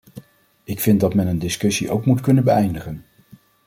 Ik vind dat men een discussie ook moet kunnen beëindigen.